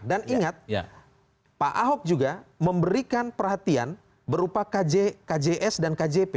dan ingat pak ahok juga memberikan perhatian berupa kjs dan kjp